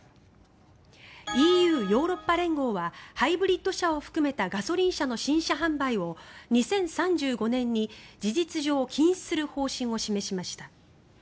ＥＵ・ヨーロッパ連合はハイブリッド車を含めたガソリン車の新車販売を２０３５年に事実上禁止する方針を示しました。